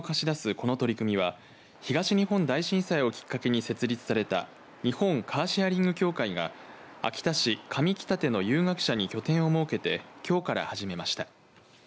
この取り組みは東日本大震災をきっかけに設立された日本カーシェアリング協会が秋田市上北手の遊学舎に拠点を設けてきょうから始めました。